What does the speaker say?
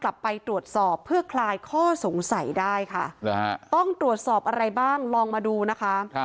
กลับไปตรวจสอบเพื่อคลายข้อสงสัยได้ค่ะต้องตรวจสอบอะไรบ้างลองมาดูนะคะ